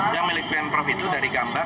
yang milik pemprov itu dari gambar